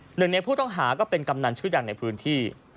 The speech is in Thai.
หนึ่งในผู้ต้องหาก็เป็นกำนันชื่อดังในพื้นที่